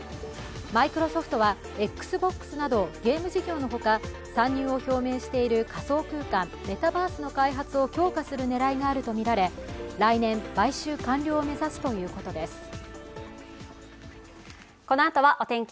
マイクロソフトはＸｂｏｘなどゲーム事業のほか、参入を表明している仮想空間「メタバース」の開発を強化する狙いがあるとみられ来年、買収完了を目指すということです。